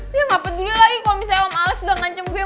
dia gak peduli lagi kalau misalnya om alex udah ngancem gitu